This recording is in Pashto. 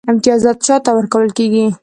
امتیازات چا ته ورکول کیږي؟